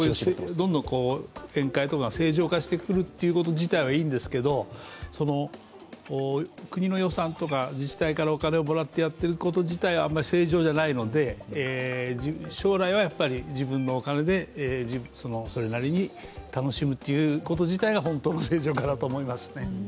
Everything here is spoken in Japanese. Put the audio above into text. どんどん宴会とかも正常化されてくるのはいいんですけど国の予算とか自治体をお金をもらってやってること自体はあまり正常じゃないので将来は、自分のお金でそれなりに楽しむっていうこと自体が正常化だと思いますね。